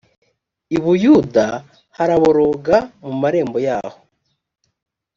i buyuda haraboroga mu marembo yaho